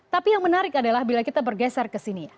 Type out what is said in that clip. tapi yang menarik adalah bila kita bergeser ke sini